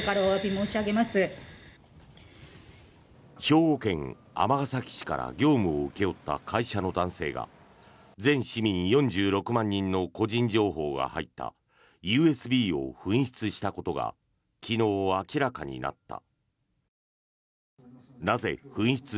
兵庫県尼崎市から業務を請け負った会社の男性が全市民４６万人の個人情報が入ったＵＳＢを紛失したことが昨日、明らかになった。